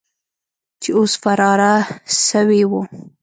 چې اوس فراره سوي وو.